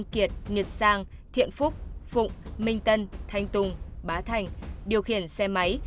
kiệt nhật sang thiện phúc phụng minh tân thanh tùng bá thành điều khiển xe máy